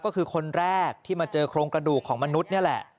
ก็คือคนแรกที่มาเจอโครงกระดูกของมนุษย์นี่แหละ